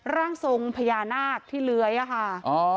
ร่างทรงพญานาคที่เลื้อยอะค่ะ